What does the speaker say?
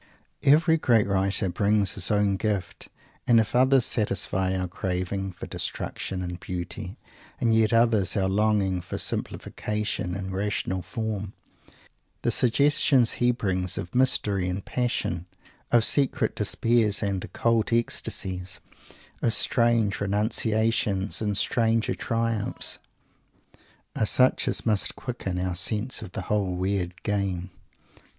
Every great writer brings his own gift, and if others satisfy our craving for destruction and beauty, and yet others our longing for simplification and rational form, the suggestions he brings of mystery and passion, of secret despairs and occult ecstasies, of strange renunciations and stranger triumphs, are such as must quicken our sense of the whole weird game.